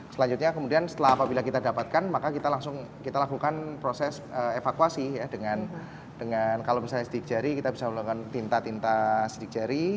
selanjutnya kemudian setelah apabila kita dapatkan maka kita langsung kita lakukan proses evakuasi ya dengan kalau misalnya sidik jari kita bisa melakukan tinta tinta sidik jari